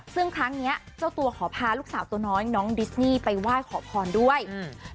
ซึ่งครั้งเนี้ยเจ้าตัวขอพาลูกสาวตัวน้อยน้องดิสนี่ไปไหว้ขอพรด้วยอืม